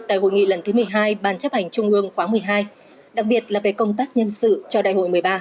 tại hội nghị lần thứ một mươi hai ban chấp hành trung ương khóa một mươi hai đặc biệt là về công tác nhân sự cho đại hội một mươi ba